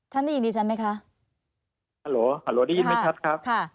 ท่านได้ยินดิฉันไหมคะฮัลโหลได้ยินไหมครับ